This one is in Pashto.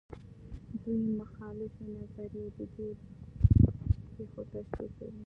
دوې مخالفې نظریې د دې پېښو تشریح کوي.